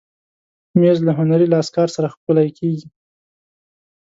مېز له هنري لاسکار سره ښکلی کېږي.